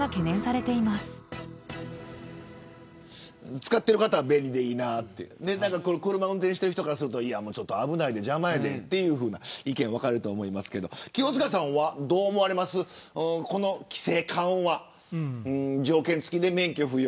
使っている方は便利でいいなと車を運転している人からすると危ない、邪魔だという意見に分かれると思いますが清塚さんは、どう思われますかこの規制緩和。条件付きで免許不要。